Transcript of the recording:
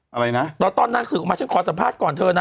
อะไรนะตอนนั้นคือมาฉันขอสัมภาษณ์ก่อนเธอนะ